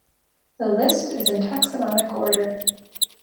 The list is in taxonomic order.